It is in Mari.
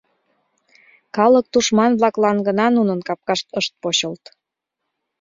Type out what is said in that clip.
«Калык тушман-влаклан» гына нунын капкашт ышт почылт.